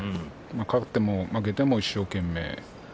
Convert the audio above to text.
勝っても負けても一生懸命。